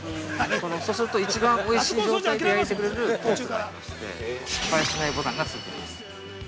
そうすると一番おいしい状態で焼いてくれる失敗しないボタンがついています。